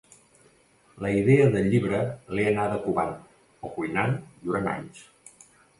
La idea del llibre l’he anada covant, o cuinant, durant anys.